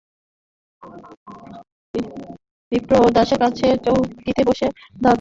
বিপ্রদাসের কাছে চৌকিতে বসেই বললে, দাদা, আমার একটুও ভালো লাগছে না।